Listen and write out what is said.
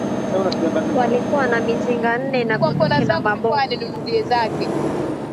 Walikuwa na mizinga nne na bunduki na mabomu